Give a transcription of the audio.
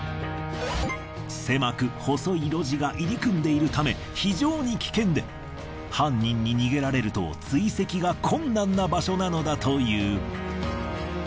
狭く細い路地が入り組んでいるため非常に危険で犯人に逃げられると追跡が困難な場所なのだという。